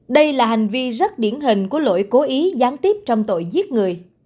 đây là hành vi rất điển hình của lỗi cố ý gián tiếp trong tội giết người